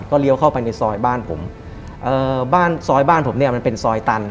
ก็เลี้ยวเข้าไปในซอยบ้านผมซอยบ้านผมมันเป็นซอยตัน